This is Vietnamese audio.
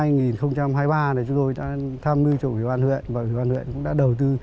năm hai nghìn hai mươi ba chúng tôi đã tham mưu chủ ủy ban huyện và ủy ban huyện cũng đã đầu tư